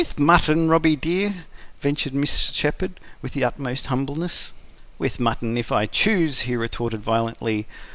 "With MUTTON, Robby dear?" ventured Mrs. Shepherd, with the utmost humbleness. "With mutton if I choose!" he retorted violently.